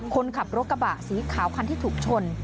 คนขับรถกระบะสีขาวคันที่ถูกชน